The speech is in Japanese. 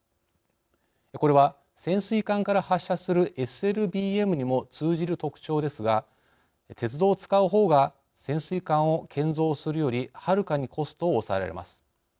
これは、潜水艦から発射するＳＬＢＭにも通じる特徴ですが鉄道を使う方が潜水艦を建造するよりはるかにコストを抑えられます。